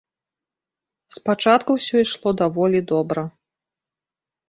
Спачатку ўсё ішло даволі добра.